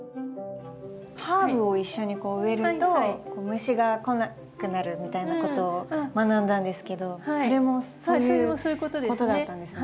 ハーブを一緒に植えると虫が来なくなるみたいなことを学んだんですけどそれもそういうことだったんですね。